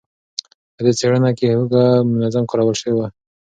په دې څېړنه کې هوږه منظم کارول شوې وه.